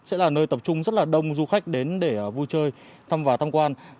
sẽ là nơi tập trung rất đông du khách đến để vui chơi thăm và thăm quan